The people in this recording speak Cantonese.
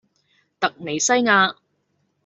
突尼西亞